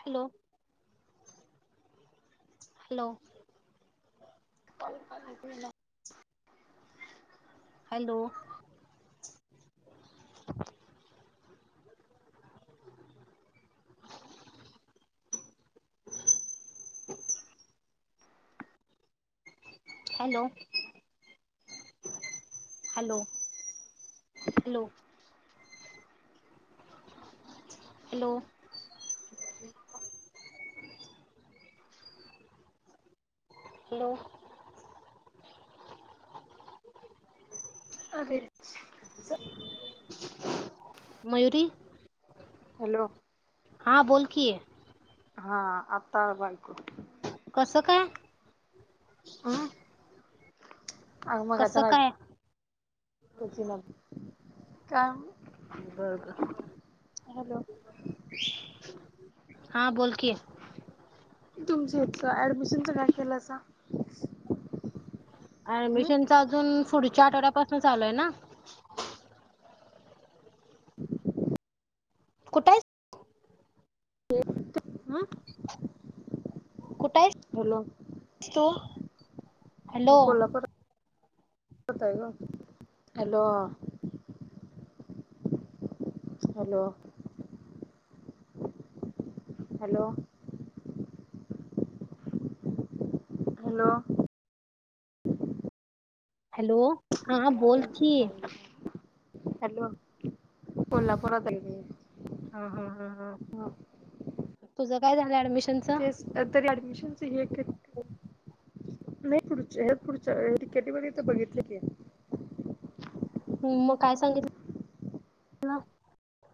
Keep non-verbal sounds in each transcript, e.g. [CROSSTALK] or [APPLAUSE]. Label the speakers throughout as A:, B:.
A: Hello hello
B: काय ऐकू येना
A: hello hello hello hello hello
B: [INAUDIBLE]
A: hello
B: [UNINTELLIGIBLE]
A: Mayuri
B: hello
A: हां बोल की.
B: हा आता आलं ऐकू.
A: कसं काय [INAUDIBLE]
B: आम्ही
A: कसं
B: मगाच्यान ऐकू
A: काय
B: ऐकूच इना का हॅलो
A: बरोब हा बोलकी
B: तुमचं इथलं ऍडमिशनच काय केलासा? हम्म
A: ऍडमिशनचा अजून पुढच्या आठवड्यापासून चालू आहे ना?
B: [INAUDIBLE]
A: कुठ आहेस तू? कुठे आहेस
B: [UNINTELLIGIBLE] हॅलो
A: तू हॅलो
B: मी कोल्हापुरात कोल्हापुरात हाय गं hello hello hello hello
A: hello हा हा बोल कि
B: हॅलो कोल्हापुरात हाय मी.
A: हा हा हा हा तुझं काय झालं ऍडमिशन
B: तेच तरी ऍडमिशनच हे नाही पुढच्या हेच पुढच्या डी. के. टीमध्ये हीत बघितलं की.
A: ह् मग काय सांगितलं म.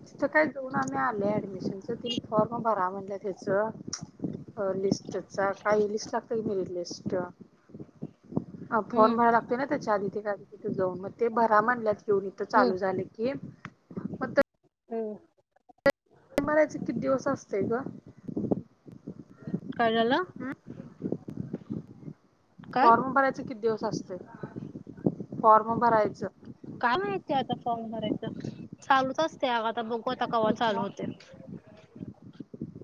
B: तिथं काय देऊन आम्ही आलोय ऍडमिशनच, तिनी फॉर्म भरा म्हणल्यात हेच अ लिस्टचा, काही लिस्ट लागत की मरीट लिस्ट. अ
A: हम्म
B: फॉर्म भराय लागतेय नई. त्याच्या आधी-आधी तिथ जाऊन म. ते भरा म्हटल्यात येेऊन इथं
A: हम्म
B: चालू झालं की, मग पण तरी
A: हम!
B: मरायचे किती दिवस असते य ग?
A: काय झाल.
B: फॉर्म भरायचं किती दिवस असत? फॉर्म भरायचं.
A: फॉम भरायच चालूच असते अग आता बघू आता केव्हा चालू
B: किंवा
A: होते.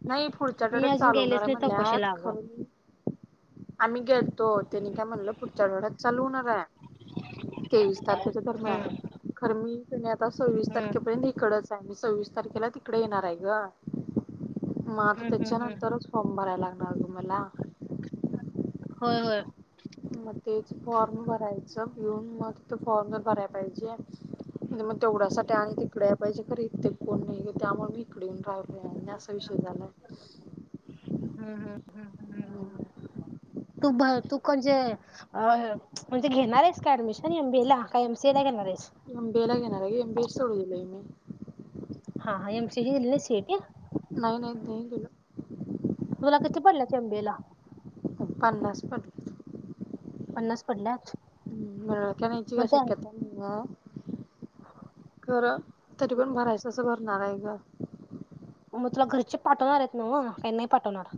B: नाही पुढच्या
A: मी
B: आठवड्यात
A: अजून
B: चालू
A: गेलेच
B: होणार आहे
A: नाही चौकशीला
B: म्हणल्यात
A: अगं.
B: खरं आम्ही घेतो. त्यांनी काय म्हटलं पुढच्या आठवड्यात चालू होणार आहे.
A: ह [INAUDIBLE]
B: तेवीस तारखेच्या दरम्यान खरं मी त्यांनी आता सव्वीस
A: हम्म,
B: तारखेपर्यंत इकडच मी सव्वीस तारखेला तिकडे येणार आहे ग! माग
A: हम्म, हम्म, हम्म.
B: त्याच्यानंतरच फॉर्म भरायला लागणार मला.
A: होय! होय!
B: मग तेच फॉर्म भरायचं घेऊन मग ति ते फॉर्म भरायला पाहिजे. म्हण मग तेवढ्यासाठी आणि तिकडे येईल पाहिजे खर कोण नाही त्यामुळे मी इकडे येऊन राहिले असा विषय झाला.
A: हम, हम!
B: हम्!
A: तू तू म्हणजे म्हणजे घेणार आहेस का ऍडमिशन एम बी ला का एम सी ला? घेणार आहेस.
B: एम बी ए ला घेणार आहे, एम बी ए सोडून दिला मी.
A: हा हा एम सि ह सेट [UNINTELLIGIBLE]
B: नाही, नाही, नाही दिल.
A: तुला किती पडले एम बी ए ला?
B: पन्नासपट.
A: पन्नास पडल्यात.
B: मिळल का नाहीची का
A: मग त्या
B: शक्यता नाही आहे. खर तरी पण भरायचं असं भरणार आहे ग.
A: मग तुला घरचे पाठवणार आहेत ना व काही नाही पाठवणार?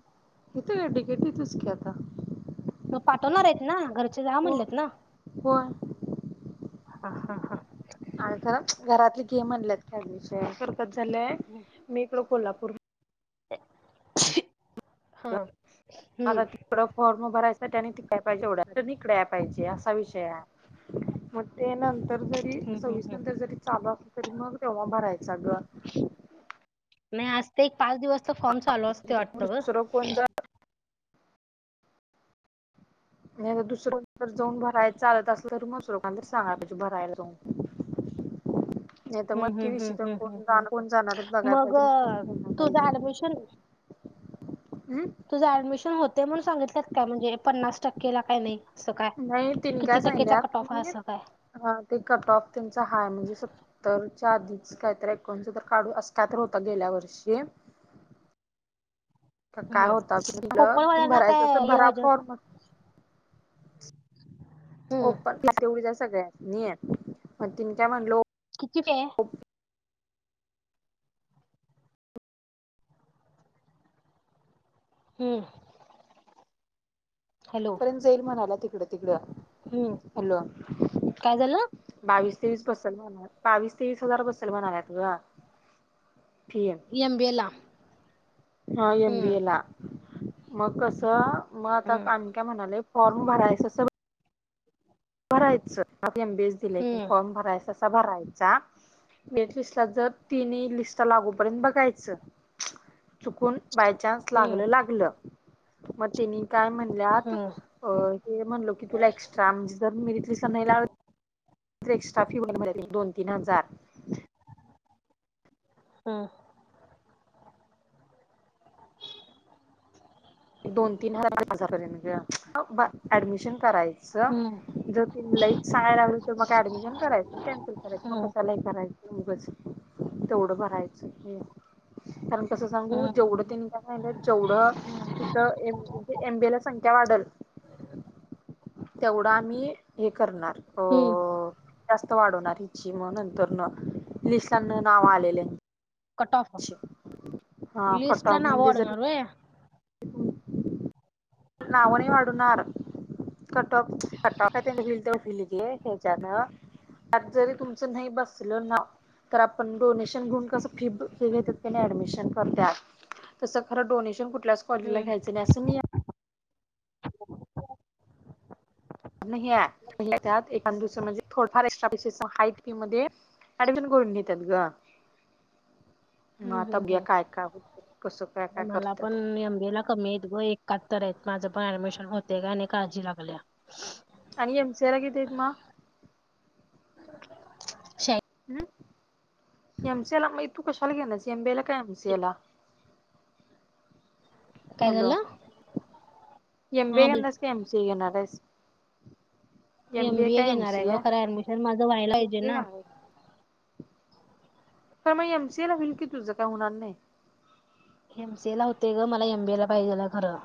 B: इथे ग टिकेट तथ च की आता
A: मग पाठवणार आहेत ना! घरचे हा
B: हो
A: म्हणटलेत ना!
B: होय
A: ह हा हा
B: आणि तर घरातले घे म्हटल्यात की ऍडमिशन खरं कसं झालंय मी इकड कोल्हापूर
A: हा. हम्म
B: आता तिकडं फॉर्म भरायचं तर त्यानी तिकडं पाहिजे एवढ्या इकडं पाहिजे असा विषय आहे. मग ते नंतर जरी
A: हम्म हम्म हम्म.
B: सहावीसनंतर जरी चालू तरी मग तेव्हा भरायचं ग!
A: नाही आज ते एक पाच दिवस तर फॉर्म चालू असते वाटत
B: दुसरं कोण
A: गं!
B: जर नाही दुसरीकडं जाऊन भरायचालत असल तर मग ज लोकांतर सांगाला पाहिजे भरायला जाऊन नाही तर
A: हम्
B: मग की
A: हम्
B: विषय तर
A: हम्
B: कोण
A: हम्
B: जाणार कोण जाणार आहेत
A: हम्म्
B: बघायला
A: मग
B: पाहिजे त्यांनी भरायला
A: तुझं
B: पाहिजे.
A: ऍडमिशन
B: हम्म
A: तुझं ऍडमिशन होते म्हणून सांगितलंत का म्हणजे, पन्नास टक्केला का नाही. असं काय
B: नाही तीन
A: किती
B: काय
A: टक्केचा कट ऑफ आहे
B: सांगितल्यात.
A: असं काय
B: हा ते कट ऑफ त्यांचा हा म्हणजे सत्तर आधीच काहीत एकोणच तर काढू असत तर होत गेल्या वर्षी काय
A: हम्म
B: होता तुलं [UNINTELLIGIBLE] तुम
A: कोपरवाल्यांना
B: भरायच
A: काय
B: अस
A: हे
B: भरा
A: वजन
B: फॉर्म
A: हम्म
B: ओपन तेवढीच सगळ्यांनी तिनी काय म्हणलो
A: किती फी हाय. हम्म! हॅलो
B: पर्यंत जाईल म्हणाला तिकडं तिकडं,
A: हम्म
B: हॅलो
A: काय झालं
B: बावीस तेवीस बससेल म्ह बावीस तेवीस हजार बससेल म्हणाल्यात ग फी
A: एम बी ए ला
B: हा एम बी
A: हम्म
B: ए ला मग कस, मग आता
A: हम्म
B: काम काय म्हणाले फॉर्म भरायचं स भरायचं एम बी ए स दिलंय
A: हम्म
B: फॉर्म भरायच, तसा भरायचा मेरिट लिस्ट जर तिनही लिस्ट लागोपर्यंत बघायचं चुकून बायचान्स
A: हम्म
B: लागलं लागलं मग तिनी काय म्हणल्यात
A: हम्म
B: अ हे म्हणलो की तुला एक्स्ट्रा म्हणजे जर मीरीथिस नाही लाव एक्स्ट्रा फी हो दोन तीन हजार
A: हम
B: एक दोन - तीन हजार हजारर्यंत ऍडमिशन करायचं
A: हम्म
B: जर ते लईच सांगाय लागले तर मग ऍडमिशन करायचं ना कॅन्सल करायच मग
A: हम्म
B: क लय करायचं. उगच तेवढं भरायचं हे कारण कसं सांगू जेवढं
A: हम्म
B: त्यांनी कायलं जेवढं णजे म्हणजे एम बी ए ला संख्या वाढल तेवढा आम्ही हे करणार
A: हम्
B: अ जास्त वाढवणार हिची म नंतर लि त्यांना नाव
A: कट ऑफ
B: आलेल्यांची हा कट
A: लिस्टला
B: आॅप
A: नावं
B: मदी जरी
A: वाढवणार होय
B: नाव नाही वाढणार कट आॅप [INAUDIBLE] गे हेच्याण आज जरी तुमच नाही बसल ना तर आपण डोनेशन घेऊन कस फी फ
A: हम्म
B: घ ऍडमिशन करत तस खर डोनेशन कुठ क्लास कॉलेजला
A: हम्म
B: घ्यायचं नाही असं नाही
A: [UNINTELLIGIBLE]
B: नाही [INAUDIBLE] म्हणजे थोडफार एक्टा [INAUDIBLE] हाय त्या पी मध्ये अडमशन करून घेत्यात ग म
A: हम्म
B: आता
A: हम्म हम्म
B: बग्या काय काय होतय, कसं काय काय
A: मला पण
B: करत्यात.
A: एमबीए ला कमी आहेत ग एकाहत्तर आहेत माझं पण ऍडमिशन होते का आणि काळजी लागल्या.
B: आणि एम सी ए ला कितीेत मा
A: शा
B: हम् एम सी ए लाग तू कशाला घेनस एम बी एला काय एम सी ए ला?
A: काय
B: हॅलो
A: झालं
B: एम बी
A: हा
B: ए
A: बोल
B: घेनारीस काय एम सी ए करणार असस?
A: एम बी ए
B: काय
A: घेणार आहे
B: सी
A: ग
B: एम
A: खरं ऍडमिशन माझं व्हायला
B: बी
A: पाहिजे
B: ए
A: ना
B: घेणार का मग एम सी ए ला होईल की तुझं, काय होणार नाही?
A: एम सी ए ला होते ग मला एम बी ए ला पाहिजेला खरं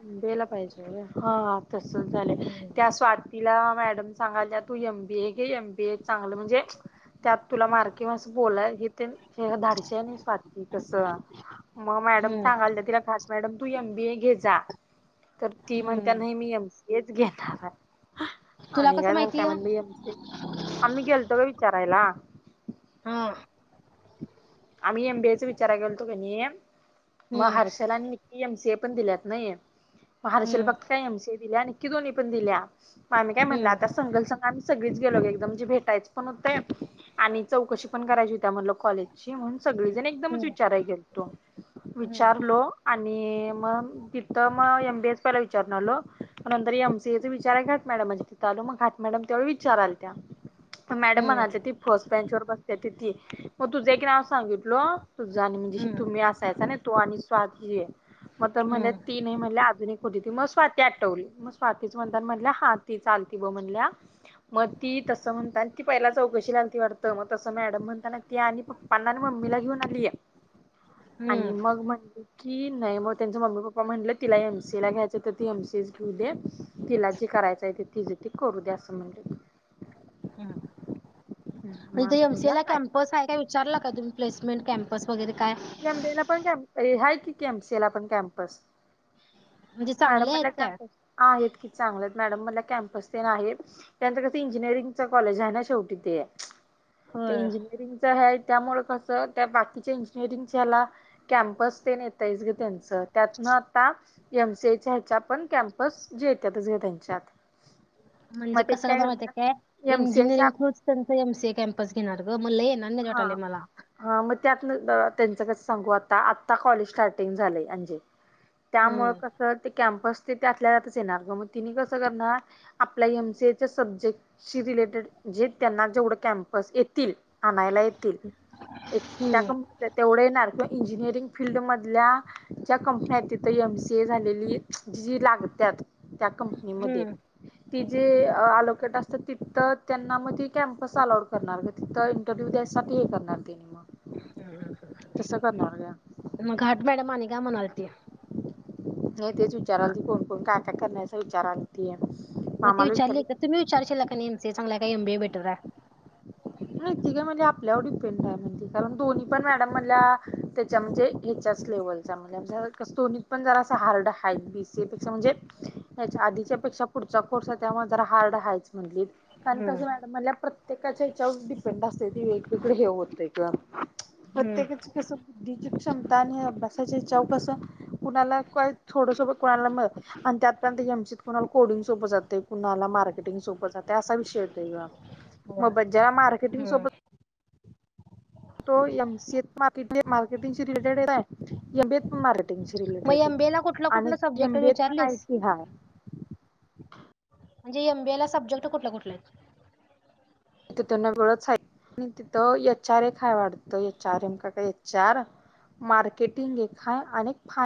B: एम बी ए ला पाहिजे हा तस झालं
A: हम्म.
B: त्या स्वा तिला मॅडम सांगायला ना तू एम बी ए घे एम बी ए चांगलं म्हणजे त्यात तुला मार्कीे मस बोलाय हे ते धाडश नाही स्वाती कस मग मॅडम
A: हम्म
B: चांगाल तिला खात मॅडम तू एम बी ए घे जा. तर ती म्हणत्या
A: हम्म
B: नाही मी [INAUDIBLE] एमसीएच घेणार आहे.
A: तुला
B: आणिघा
A: कसं
B: काय म्हणत्या
A: माहितीय
B: मग ती, [UNINTELLIGIBLE] आम्ही गेलतो बई विचारायला.
A: हा.
B: आम्ही एम बीएचा विचारा केेलतो कनई, मग
A: हम्म
B: हर्षला आणि मी पण दिल्यात नाहीे. महारशल
A: हम्म
B: फक्त काय एमसीए, दिल्या नक्की दोन्ही पण दिल्या. अग आम्ही काय म्हणल
A: हम्म
B: आता संघल संघ आम्हीगच गेलोे एकमणजे भेटायच पण होते आणि. चौकशी पण करायची हो त्या म्ह कॉलेजची म्हणून सगळेजण एकदमच
A: हम्म
B: विचाराय गेलतो -
A: हम्म
B: विचारलो आणि मग तिथं मग एमबी एस पहिला विचारून आलो. मग नंतर एमसीएचा विचार आहे आत मॅडम तिथ आलो मग आत मॅडम ते विसरायला आलत्या - मॅडम
A: हम्म
B: म्हणाले ती फर्स्ट बेंचवरर बसते त ती - तुजे एक नाव संगितलो तुझ म्हणजे
A: हम्म
B: तुम्ही असायचा ना तू आणि स्वा - मग तर म्हण
A: हम्म
B: तीन म्हण आधुनिक होती. ती मग स्वाती आटवली मग स्वातीच म्हणतान, म्हणल्या हा तीच आलती बघ म्हणल्या मग ती तसं म्हणता ती पहिला चौकशी अलती वाटतं मग तसं मॅडम म्हणता ती आणि पप्पांना आणि मम्मीला घेऊन आलीए
A: हम्म
B: आणि मग म्हणली कि नाही मग त्यांच मम्मी पप्पा म्हटलं, तिला एम सी ए ला घ्यायचंय तर ती एम सी ए ला घेऊ दे. तिला जे कराय य ती जी करू द्या असं म्हण.
A: ह
B: मग
A: म्ह
B: आता
A: एम सी ए
B: बघूया
A: ला
B: काय
A: कॅम्पस आहे का विचारला का तुम्ही प्लेसमेंट कॅम्पस वगैरे काय.
B: हाय की केम सी ला पण कॅम्पस.
A: म्हणजे
B: मॅडम
A: चांगले
B: म्हणल्या
A: आहेत काय?
B: कॅमपस आहेत, कि चांगल्या मॅडम म्हणल्या कॅम्पस तेन आहेत. त्यांतर कस इंजिनिअरिंगच कॉलेज आहे ना शेवटी ते,
A: होय
B: इंजिनिअरिंग [UNINTELLIGIBLE] ताइच घे त्यांच त्यातन आता एम सी एच्या ह्याच्या पण कॅम्पस ज येतातच त्यांच्यात.
A: म्हणजे
B: मग त्यांनी
A: कसं
B: काय
A: माहित काय
B: करतात एमसीएच्या
A: इंजिनिअरिंग थ्रू त्यांच एम सी ए कॅम्पस घेणार. [UNINTELLIGIBLE]
B: हा
A: मला.
B: हा म नंदा त्यांच कस सांगू आता, आता कॉलेज स्टार्टिंग झालंय अंजे त्यामुळे
A: हम्म
B: कसं ते कॅम्पस ते त्यातल्या त्यातच येणार का मग तिने कसं करणार आपल्या एम सीए सब्जेक्ट रिलेटेड जे त्यांना जेवढं कॅम्पस येतील आणाय.
A: हम्म
B: इंजिनिअरिंग फिल्ड मधल्या ज्या कंपन्यात तथं एम सी ए झालेली जी लागत्यात त्या कंपनीमध्ये. ती जे अलोकेट असतात तिथं त्यांना मग ती कॅम्पस अलाउड करणार का तिथं. उद्यासाठी हे करणार. त्यानी मग तसं करणार ग
A: मग हट मॅडम आणि काय म्हणाल
B: न्हवे तेच विचारालती, कोण कोण काय काय करणार हाईसा विचारालती?
A: मग ती विचारली का तुम्ही विचारशील का एम सी ए चांगलाय का एम बीए बेटर हाय.
B: माती काय म्हणजे आपल्यावर डिपेंड आहे म्हणती कारण दोन्ही पण मॅडम म त्याच्या म्हणजे हच्यात [UNINTELLIGIBLE] त्या पेक्षा पुढचा कोर्स त्या जरा हार्ड हयच म्हटली. कारण
A: हम्म
B: कसं मॅडम म्हण प्रत्येकाच्या हच्यावर डिपेंड असते ती वेगवेगं हे होते ग.
A: हम्म
B: प्रत्येकच कस [UNINTELLIGIBLE] क्षमता अभ्यासा [UNINTELLIGIBLE] पासून कुणाला मचीत कोणाला कोडिंग सोपं जाते क कोणाला मार्ेटंगोपं जाते असा विषय येतय ग.
A: होय.
B: मगबजज्याला मार्केटिंग
A: हम्म
B: सोबत तो एम सी त मार्केटिंगशी रिलेटेड हाय, एम बी ए त पण मारेल. शी
A: मग
B: रिलेटेड
A: एमबीए ला कुठलं
B: आणि
A: कुठलं सब्जेक्ट
B: यम बी ए
A: विचारलीस? म्हणजे एम बी ए ला सब्जेक्ट कुठले कुठले आहेत?
B: तिथ त्यांना वेळंच [UNINTELLIGIBLE] तिथे एच आर एम काय वाटतं एच आर मार्केटिंग एक आहे अनेक फार